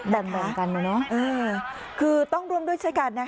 แบ่งกันเลยเนอะคือต้องร่วมด้วยใช้การนะคะ